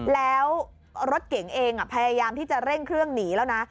แล้วรถเก๋งเองพยายามที่จะเร่งเครื่องหนีแล้วนะ